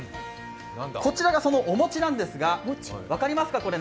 こちらがそのお餅なんですが何だか分かりますか？